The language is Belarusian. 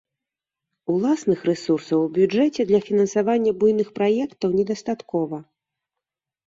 Уласных рэсурсаў у бюджэце для фінансавання буйных праектаў недастаткова.